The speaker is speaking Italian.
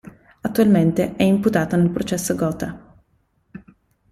Attualmente è imputato nel processo Gotha.